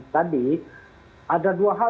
tadi ada dua hal